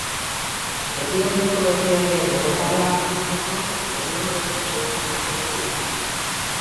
Ekialdeko herrialdeen erreparoak gainditzeko, derrigorrezko kuotak baztertuko dituzte.